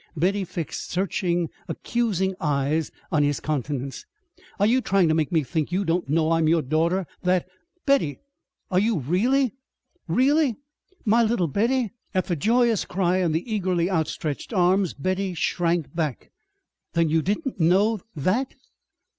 Betty fixed searching, accusing eyes on his countenance. "Are you trying to make me think you don't know I'm your daughter; that " "Betty! Are you really, really my little Betty?" At the joyous cry and the eagerly outstretched arms Betty shrank back. "Then you didn't know that?"